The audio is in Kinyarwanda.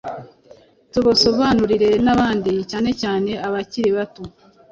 tubusobanurire n’abandi cyanecyane abakiri bato.